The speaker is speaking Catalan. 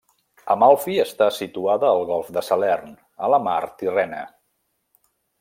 Amalfi està situada al Golf de Salern, a la Mar Tirrena.